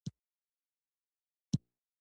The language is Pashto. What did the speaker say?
لمونځ په وخت وکړئ